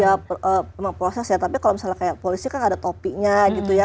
ya memang proses ya tapi kalau misalnya kayak polisi kan ada topinya gitu ya